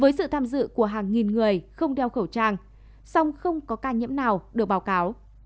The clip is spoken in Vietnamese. với sự tham dự của hàng nghìn người không đeo khẩu trang song không có ca nhiễm nào được báo cáo